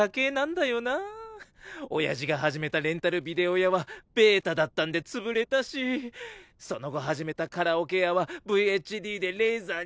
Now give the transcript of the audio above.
おやじが始めたレンタルビデオ屋はベータだったんで潰れたしその後始めたカラオケ屋はＶＨＤでレーザーに負けたし。